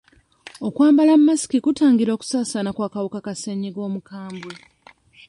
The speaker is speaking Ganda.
Okwambala masiki kutangira okusaasaana kw'akawuka ka ssennyiga omukambwe?